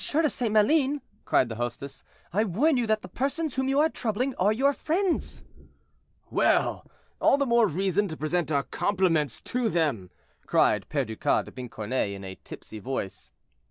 de St. Maline," cried the hostess, "I warn you that the persons whom you are troubling are your friends." "Well! all the more reason to present our compliments to them," cried Perducas de Pincornay, in a tipsy voice.